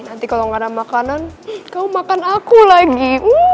nanti kalau nggak ada makanan kamu makan aku lagi